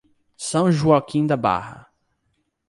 São Joaquim da Barra